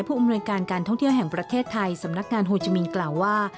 อำนวยการการท่องเที่ยวแห่งประเทศไทยสำนักงานโฮจิมินกล่าวว่า